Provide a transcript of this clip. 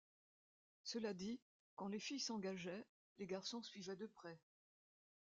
Cela dit, quand les filles s'engageaient, les garçons suivaient de près.